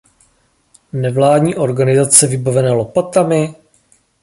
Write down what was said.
Nevládní organizace vybavené lopatami?